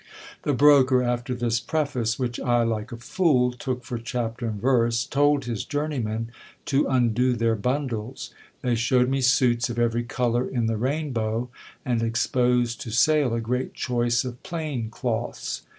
The broker, after this preface, which I, like a fool, took for chapter and verse, told his journeymen to undo their bundles. They showed me suits of every colour in the rainbow, and exposed to sale a great choice of plain cloths.